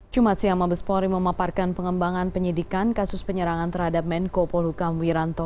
jumat siang mabespori memaparkan pengembangan penyidikan kasus penyerangan terhadap menko polukam wiranto